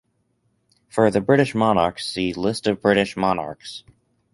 For the British monarchs see List of British monarchs.